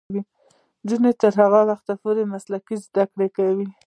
نجونې به تر هغه وخته پورې مسلکي زدکړې کوي.